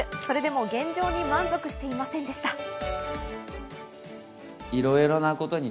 それでも現状に満足していませんでした。